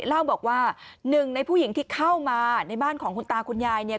เล่าบอกว่าหนึ่งในผู้หญิงที่เข้ามาในบ้านของคุณตาคุณยายเนี่ย